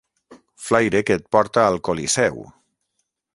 Flaire que et porta al Colisseu.